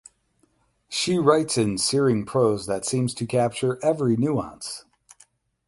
She writes in searing prose that seems to capture every nuance.